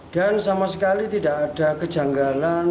dan sama sekali tidak ada kejanggaran